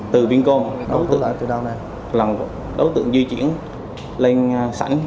từ vincom đối tượng là một đối tượng di chuyển lên sẵn